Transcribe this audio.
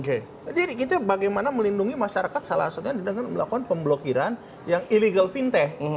jadi kita bagaimana melindungi masyarakat salah satunya dengan melakukan pemblokiran yang illegal fintech